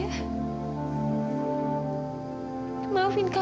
maafin kami karena kami selalu bertengkar